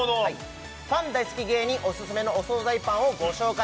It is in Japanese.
パン大好き芸人オススメのお総菜パンをご紹介